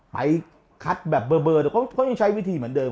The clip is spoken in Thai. ไปคัดแบบเบอร์เดี๋ยวเขายังใช้วิธีเหมือนเดิม